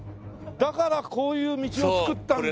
だからこういう道を作ったんだ！